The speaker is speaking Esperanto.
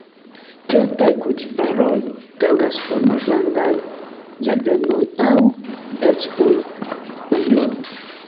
Kelkaj kultivaroj taŭgas por malgrandaj ĝardenoj aŭ eĉ por ujoj.